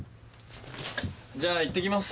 じゃあいってきます。